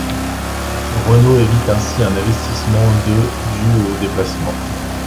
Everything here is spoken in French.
Renault évite ainsi un investissement de dû aux déplacements.